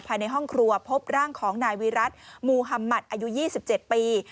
ภายในห้องครัวพบร่างของนายวิรัติมูฮัมมัติอายุ๒๗ปี